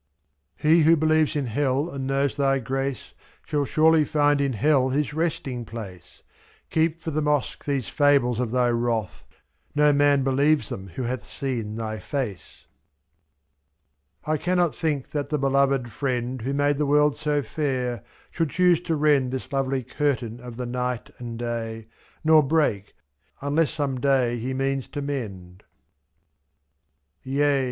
He who believes in hell and knows Thy grace Shall surely find in hell his resting place, ro'hKeep for the mosque these fables of Thy wrath No man believes them who hath seen Thy face. I cannot think that the Beloved Friend, Who made the world so fair, should choose to rend loiT This lovely curtain of the night and day. Nor break — unless some day He means to mend. Yea!